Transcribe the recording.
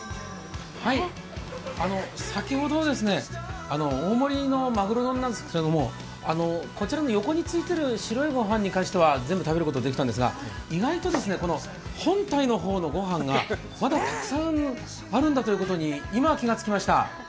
先ほど、大盛りのまぐろ丼なんですが、こちらの横についている白い御飯に関しては全部食べることができたんですが、意外と本体の方の御飯がまだたくさんあるんだということに今、気が付きました。